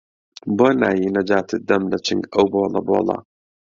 بۆ نایەی نەجاتت دەم لە چنگ ئەو بۆڵە بۆڵە